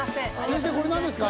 先生これ何ですか？